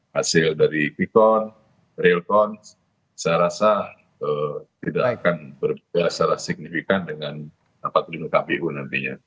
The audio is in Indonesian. hasil dari pikon relkon saya rasa tidak akan berbeza signifikan dengan empat puluh lima kpu nantinya